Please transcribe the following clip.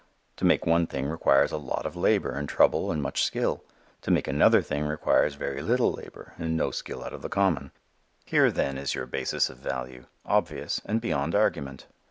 To make one thing requires a lot of labor and trouble and much skill: to make another thing requires very little labor and no skill out of the common. Here then is your basis of value, obvious and beyond argument.